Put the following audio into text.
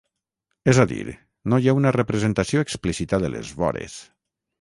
És a dir, no hi ha una representació explícita de les vores.